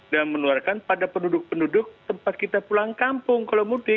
dan menuarkan pada penduduk penduduk tempat kita pulang kampung kalau mudik